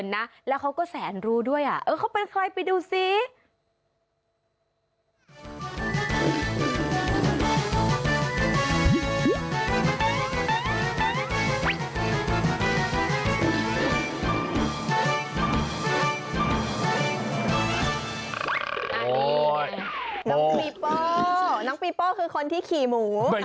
ไม่รู้สู้ได้หรือเปล่านะคือร้อน